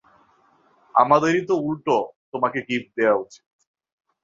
আমাদেরই তো উল্টো তোমাকে গিফট দেয়া উচিৎ।